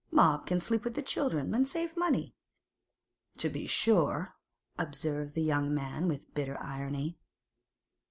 Bob can sleep with the children, and save money.' 'To be sure!' observed the young man with bitter irony.